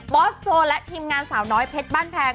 อสโจและทีมงานสาวน้อยเพชรบ้านแพง